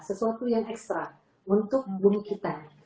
sesuatu yang ekstra untuk bumi kita